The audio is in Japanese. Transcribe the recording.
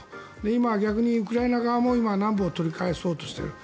今、逆にウクライナ側も南部を取り返そうとしている。